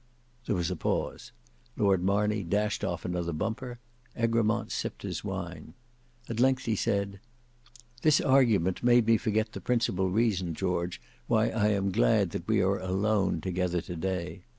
There was a pause. Lord Marney dashed off another bumper; Egremont sipped his wine. At length he said, "This argument made me forget the principal reason, George, why I am glad that we are alone together to day.